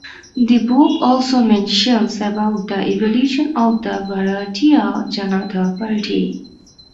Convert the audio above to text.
The book also mentions about the evolution of the Bharatiya Janata Party.